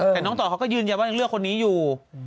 แต่น้องต่อเขาก็ยืนยันว่ายังเลือกคนนี้อยู่